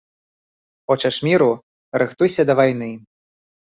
Хочаш міру, рыхтуйся да вайны.